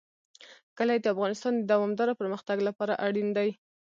کلي د افغانستان د دوامداره پرمختګ لپاره اړین دي.